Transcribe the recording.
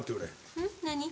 うん何？